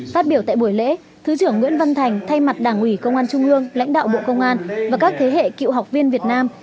phát biểu tại buổi lễ thứ trưởng nguyễn văn thành thay mặt đảng ủy công an trung ương lãnh đạo bộ công an và các thế hệ cựu học viên việt nam